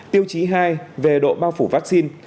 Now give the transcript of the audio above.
tiêu chí hai về độ bao phủ vaccine